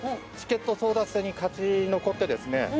チケット争奪戦に勝ち残ってですね